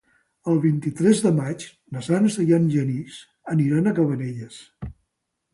El vint-i-tres de maig na Sança i en Genís aniran a Cabanelles.